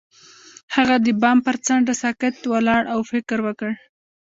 هغه د بام پر څنډه ساکت ولاړ او فکر وکړ.